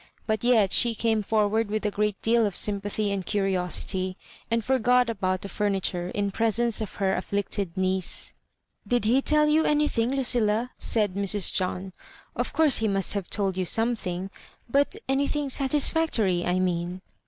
But yet she came forward with a great deal of sympathy and curiosity, and forgot about the famiture in presence of her afflicted niece. '' Did he tell you anything, Lucilla ?" said Mrs. John ;" of course he must have told you some thing — ^but anything satisfactory, I mean."